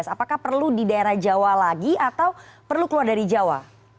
apakah perlu di daerah jawa lagi atau perlu keluar dari jawa